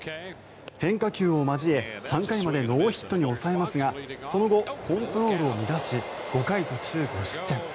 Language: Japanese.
変化球を交え３回までノーヒットに抑えますがその後、コントロールを乱し５回途中５失点。